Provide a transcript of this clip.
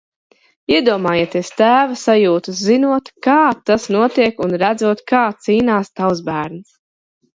Iedomājieties tēva sajūtas, zinot kā tas notiek un redzot kā cīnās tavs bērns.